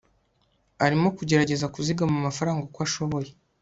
arimo kugerageza kuzigama amafaranga uko ashoboye